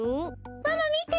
ママみて。